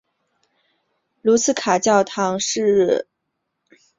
卢茨卡教堂是塞尔维亚首都贝尔格莱德的一座塞尔维亚正教会的教堂。